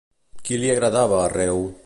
Qui li agradava a Reo?